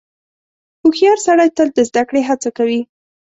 • هوښیار سړی تل د زدهکړې هڅه کوي.